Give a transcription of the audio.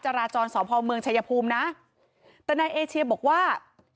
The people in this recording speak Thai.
จราจรสพเมืองชายภูมินะแต่นายเอเชียบอกว่า